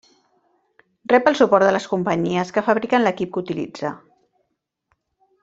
Rep el suport de les companyies que fabriquen l'equip que utilitza.